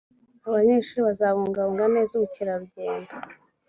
abanyeshuri bazabungabunga neza ubukerarugendo